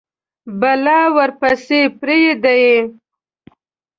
بلا ورپسي پریده یﺉ